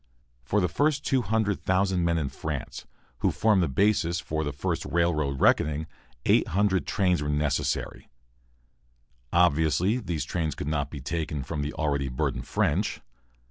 For the first 200,000 men in France, who formed the basis for the first railroad reckoning, 800 trains were necessary. Obviously, these trains could not be taken from the already burdened French.